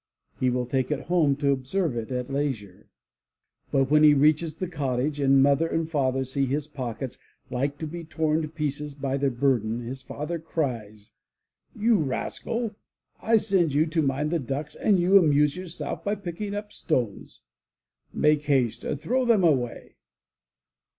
He will take it home to observe it at leisure. But when he reaches the cottage and mother and father see his pockets like to be tom to pieces by their burden his father cries: 98 THE LATCH KEY "You rascal! I send you to mind the ducks and you amuse yourself by picking up stones. Make haste, throw them away!